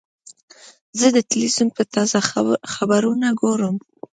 زه د تلویزیون تازه خبرونه ګورم.